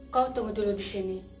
kau tunggu dulu di sini